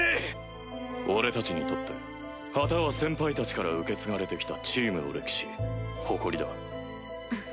俺達にとって旗は先輩達から受け継がれてきたチームの歴史誇りだ。